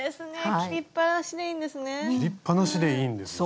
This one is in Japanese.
切りっぱなしでいいんですもんね。